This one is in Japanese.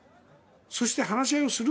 そして話し合いをする。